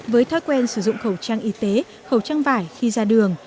với thói quen sử dụng khẩu trang y tế khẩu trang vải khi ra đường